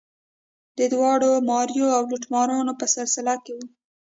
دا د داړه ماریو او لوټماریو په سلسله کې وه.